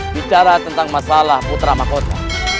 bicara tentang masalah putra mahkota